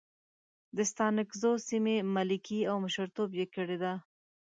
د ستانکزو سیمې ملکي او مشرتوب یې کړی دی.